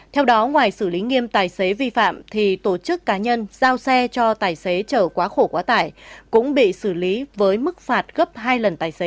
theo đó ngoài xử lý nghiêm tài xế vi phạm thì tổ chức cá nhân giao xe cho tài xế chở quá khổ quá tải cũng bị xử lý với mức phạt gấp hai lần tài xế